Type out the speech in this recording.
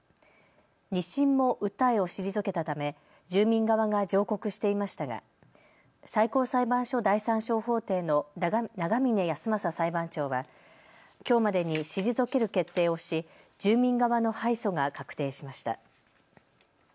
２審も訴えを退けたため住民側が上告していましたが最高裁判所第３小法廷の長嶺安政裁判長はきょうまでに退ける決定をし住民側の敗訴が確定しました。